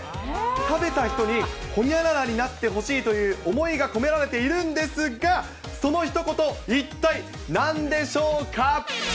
食べた人にほにゃららになってほしいという思いが込められているんですが、そのひと言、一体なんでしょうか。